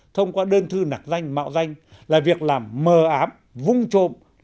thông qua đơn thư nạc danh mạo danh là việc làm mờ ám vung trộm